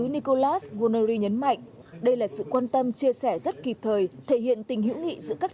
nicolas gurneri nhấn mạnh đây là sự quan tâm chia sẻ rất kịp thời thể hiện tình hữu nghị giữa các